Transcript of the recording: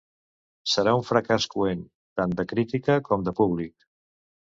Serà un fracàs coent, tant de crítica com de públic.